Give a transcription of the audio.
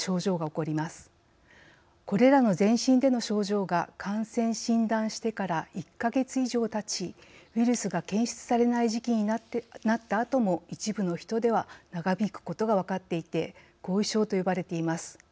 これらの全身での症状が感染・診断してから１か月以上たちウイルスが検出されない時期になったあとも一部の人では長引くことが分かっていて後遺症と呼ばれています。